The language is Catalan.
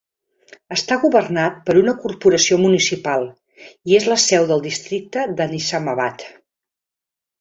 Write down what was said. Està governat per una corporació municipal i és la seu del districte de Nizamabad.